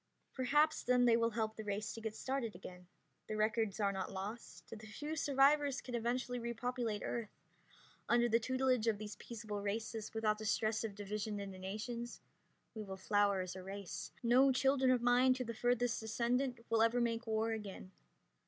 Perhaps then they will help the race to get started again. The records are not lost. The few survivors can eventually repopulate Earth. Under the tutelage of these peaceable races, without the stress of division into nations, we will flower as a race. No children of mine to the furthest descendant will ever make war again.